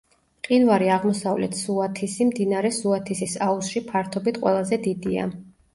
მყინვარი აღმოსავლეთ სუათისი მდინარე სუათისის აუზში ფართობით ყველაზე დიდია.